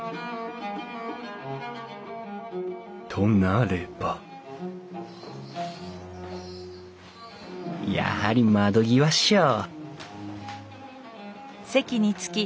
となればやはり窓際っしょ！